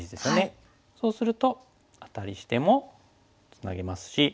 そうするとアタリしてもツナげますし。